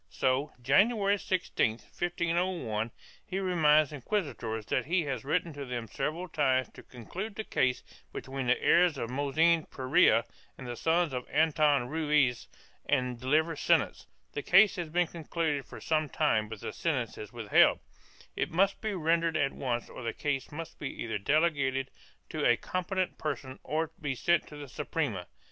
So, January 16, 1501, he reminds inquisitors that he has written to them several times to conclude the case between the heirs of Mossen Perea and the sons of Anton Ruiz and deliver sentence; the case has been concluded for some time but the sentence is withheld; it must be rendered at once or the case must be either delegated to a competent person or be sent to the Suprema.